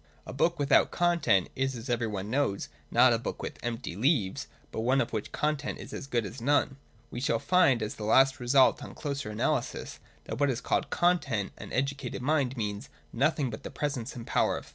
A book without content is, as every one knows, not a book with empty leaves, but one of which the content is as good as none. We shall find as the last result on closer analysis, that by what is called content an educated mind means no thing but the presence and power of thought.